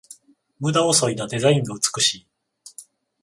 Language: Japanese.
ムダをそいだデザインが美しい